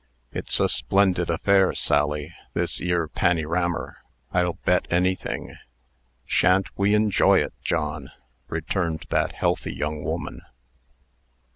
"It's a splendid affair, Sally, this 'ere pannyrammer, I'll bet anything." "Sha'n't we enjoy it, John!" returned that healthy young woman.